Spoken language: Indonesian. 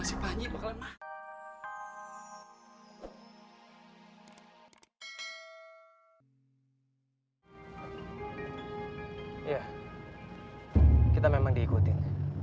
iya kita memang diikutin